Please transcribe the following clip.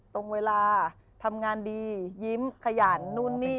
ตรงเวลาทำงานดียิ้มขยันนู่นนี่